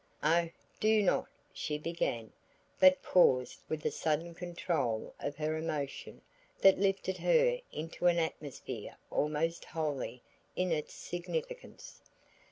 "O do not," she began but paused with a sudden control of her emotion that lifted her into an atmosphere almost holy in its significance.